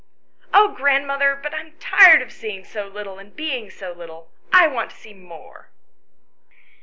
"Oh, grandmother, but I am tired of seeing so little and being so little ; I want to see more."